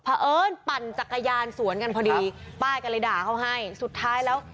เพราะเอิญปั่นจักรยานสวนกันพอดีป้ายก็เลยด่าเขาให้สุดท้ายแล้ว